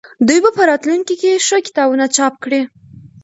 دوی به په راتلونکي کې ښه کتابونه چاپ کړي.